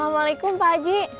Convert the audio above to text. assalamualaikum pak haji